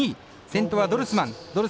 先頭はドルスマン。